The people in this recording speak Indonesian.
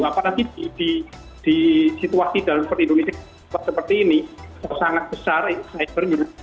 apalagi di situasi dalam perlindungan seperti ini sangat besar cybernya